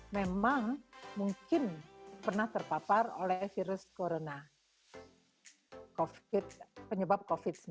memang mungkin pernah terpapar oleh virus corona penyebab covid sembilan belas